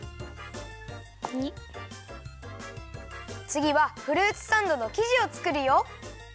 つぎはフルーツサンドのきじをつくるよ。